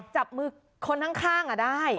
จับมือคนข้างได้